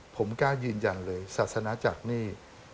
ผมกล้ายืนยันเลยศาสนาจักรนี่